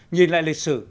nhìn lại lịch sử